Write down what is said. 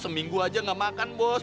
seminggu aja nggak makan bos